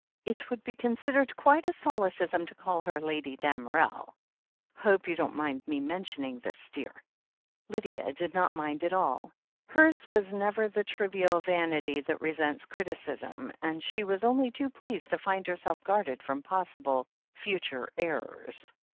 It would be considered quite a solecism to call her *Lady Damerel.' Hope you don't mind me mentioning this, dear," Lydia did not mind at all. Hers was never the trivial vanity that resents criticism, and she was only too pleased to find herself guarded from possible future errors.